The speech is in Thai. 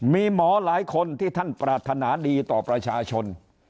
มีหมอหลายคนที่ท่านปรารถนาดีต่อประชาชน